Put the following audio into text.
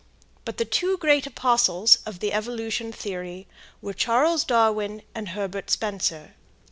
But the two great apostles of the evolution theory were Charles Darwin and Herbert Spencer.